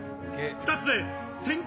二つで１０００